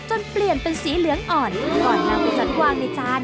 จนเปลี่ยนเป็นสีเหลืองอ่อนก่อนนำไปสันวางในจาน